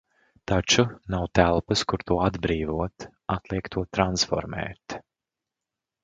Taču nav telpas, kur to atbrīvot. Atliek to transformēt.